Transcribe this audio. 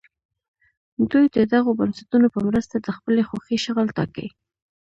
دوی د دغو بنسټونو په مرسته د خپلې خوښې شغل ټاکي.